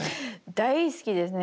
大好きですね。